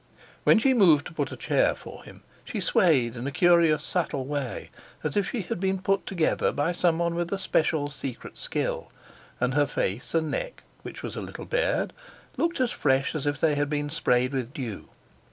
When she moved to put a chair for him, she swayed in a curious subtle way, as if she had been put together by someone with a special secret skill; and her face and neck, which was a little bared, looked as fresh as if they had been sprayed with dew.